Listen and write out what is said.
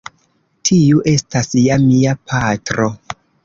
Tiu estas ja mia patro.